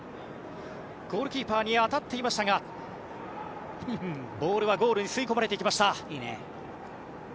ゴールキーパーに当たっていましたがボールはゴールに吸い込まれていきました。